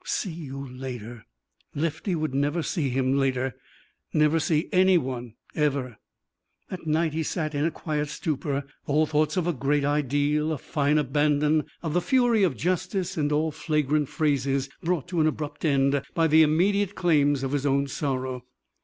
See you later." Lefty would never see him later never see anyone ever. That night he sat in a quiet stupor, all thought of great ideal, of fine abandon, of the fury of justice, and all flagrant phrases brought to an abrupt end by the immediate claims of his own sorrow.